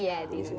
iya di indonesia